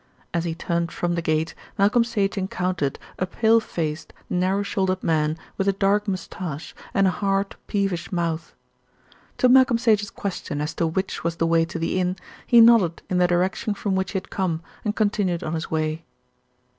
As he turned from the gate, Malcolm Sage encountered a pale faced, narrow shouldered man with a dark moustache and a hard, peevish mouth. To Malcolm Sage's question as to which was the way to the inn, he nodded in the direction from which he had come and continued on his way.